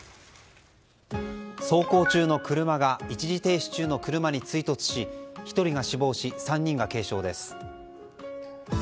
走行中の車が一時停止中の車に追突し１人が死亡し、３人が軽傷です。